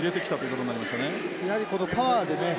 やはりパワーでね